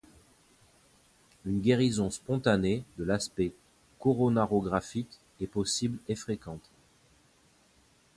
Une guérison spontanée de l'aspect coronarographique est possible et fréquente.